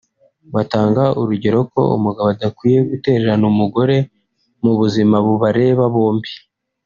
Batanga urugero ko umugabo adakwiye gutererana umugore mu buzima bubareba bombi